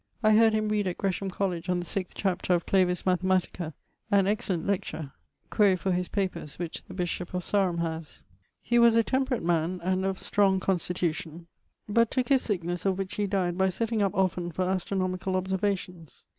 I heard him reade at Gresham College on the sixth chapter of Clavis Mathematica, an excellent lecture: quaere for his papers which the bishop of Sarum haz. He was a temperate man and of strong constitution, but tooke his sicknesse of which he dyed by setting up often for astronomicall observations.